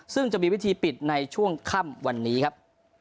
ซึ่งจะมีวิธีปิดในช่วงค่ำวันนี้ครับ